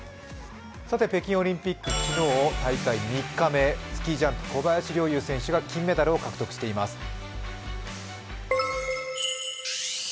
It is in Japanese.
北京オリンピック、昨日、大会３日目スキージャンプ、小林陵侑選手が金メダルを獲得しています。